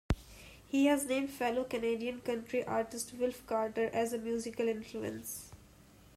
He has named fellow Canadian country artist Wilf Carter as a musical influence.